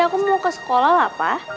aku mau ke sekolah lah pak